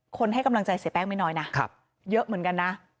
ให้กำลังใจเสียแป้งไม่น้อยนะเยอะเหมือนกันนะ